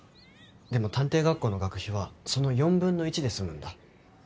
でも探偵学校の学費はその４分の１で済むんだ。